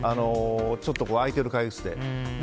ちょっと空いている会議室で。